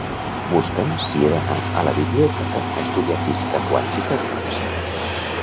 Busca'm si he d'anar a la biblioteca a estudiar física quàntica demà passat.